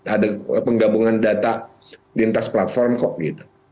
ada penggabungan data di atas platform kok gitu